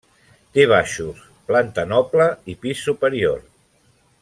Té baixos, planta noble i pis superior.